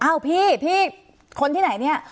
พี่พี่คนที่ไหนเนี่ย